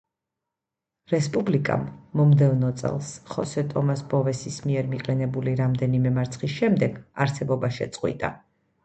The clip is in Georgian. რესპუბლიკამ მომდევნო წელს ხოსე ტომას ბოვესის მიერ მიყენებული რამდენიმე მარცხის შემდეგ არსებობა შეწყვიტა.